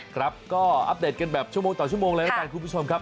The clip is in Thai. ครับก็อัปเดตกันแบบชั่วโมงต่อชั่วโมงเลยแล้วกันคุณผู้ชมครับ